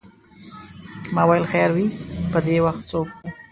ما ویل خیر وې په دې وخت څوک و.